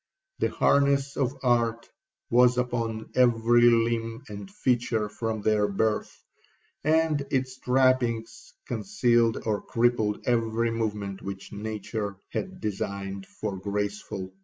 The harness of art was upon every limb and feature from their birth, and its trappings concealed or crippled every movement which nature had designed for graceful.